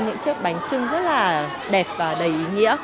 những trò chơi bánh trưng rất là đẹp và đầy ý nghĩa